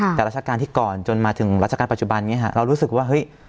แต่ราชการที่ก่อนจนมาถึงราชการปัจจุบันนี้ฮะเรารู้สึกว่าเฮ้ย